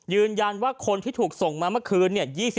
ยืนยันว่าคนที่ถูกส่งมาเมื่อคืน